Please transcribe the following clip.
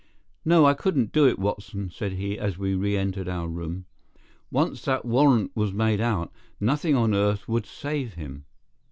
"No, I couldn't do it, Watson," said he, as we reentered our room. "Once that warrant was made out, nothing on earth would save him.